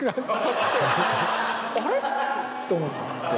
あれ？って思って。